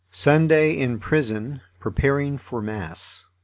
SUNDAY IN PRISON PREPARING FOR MASS.